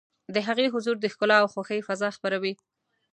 د هغې حضور د ښکلا او خوښۍ فضا خپروي.